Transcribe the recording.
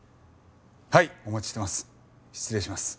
はいお待ちしてます。